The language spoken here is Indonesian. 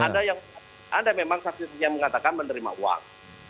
anda yang anda memang saksisinya mengatakan menerima uang